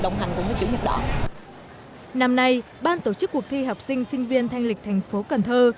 năm nay ban tổ chức cuộc thi học sinh sinh viên thanh lịch thành phố cần thơ